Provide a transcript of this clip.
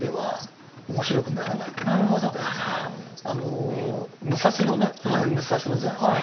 あの武蔵野ねこの辺武蔵野じゃないですか。